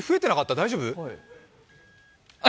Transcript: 大丈夫？